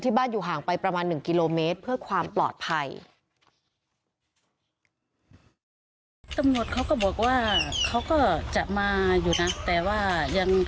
บ้านอยู่ห่างไปประมาณ๑กิโลเมตรเพื่อความปลอดภัย